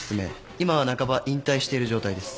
今は半ば引退している状態です。